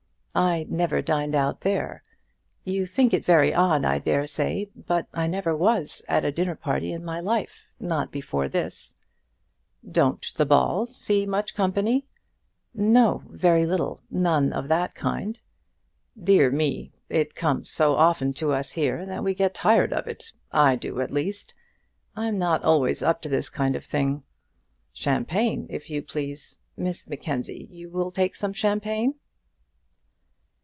"I never dined out there. You think it very odd, I dare say, but I never was at a dinner party in my life not before this." "Don't the Balls see much company?" "No, very little; none of that kind." "Dear me. It comes so often to us here that we get tired of it. I do, at least. I'm not always up to this kind of thing. Champagne if you please. Miss Mackenzie, you will take some champagne?"